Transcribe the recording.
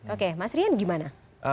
oke mas rian gimana